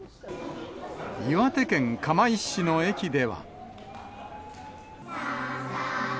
岩手県釜石市の駅では。